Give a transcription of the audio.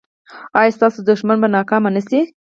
ایا ستاسو دښمن به ناکام نه شي؟